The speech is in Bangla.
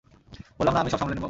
বললাম না, আমি সব সামলে নেবো।